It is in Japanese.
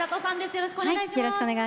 よろしくお願いします。